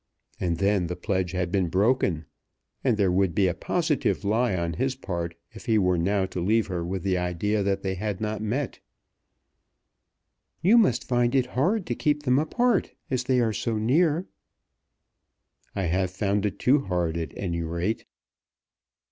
And then the pledge had been broken; and there would be a positive lie on his part if he were now to leave her with the idea that they had not met. "You must find it hard to keep them apart, as they are so near." "I have found it too hard, at any rate."